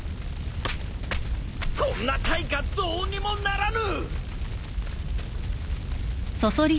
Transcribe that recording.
こんな大火どうにもならぬ！